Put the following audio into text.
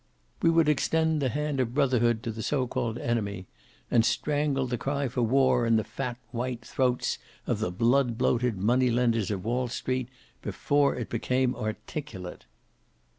"We would extend the hand of brotherhood to the so called enemy, and strangle the cry for war in the fat white throats of the blood bloated money lenders of Wall Street, before it became articulate."